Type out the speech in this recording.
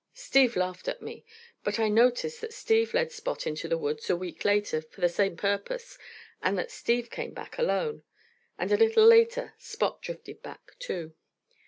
Steve laughed at me. But I notice that Steve led Spot into the woods, a week later, for the same purpose, and that Steve came back alone, and a little later Spot drifted back, too.